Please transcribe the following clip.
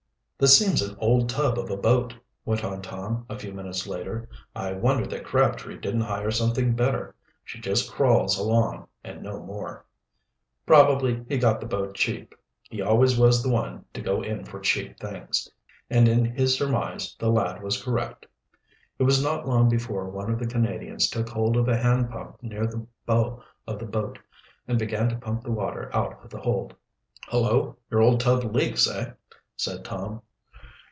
"This seems an old tub of a boat," went on Tom, a few minutes later. "I wonder that Crabtree didn't hire something better. She just crawls along, and no more." "Probably he got the boat cheap. He always was the one to go in for cheap things." And in his surmise the lad was correct. It was not long before one of the Canadians took hold of a hand pump near the bow of the boat and began to pump the water out of the hold. "Hullo, your old tub leaks, eh?" said Tom.